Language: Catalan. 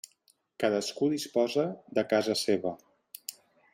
Cadascú disposa de casa seva.